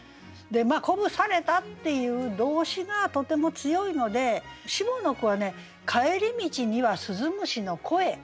「鼓舞された」っていう動詞がとても強いので下の句は「帰り道には鈴虫の声」。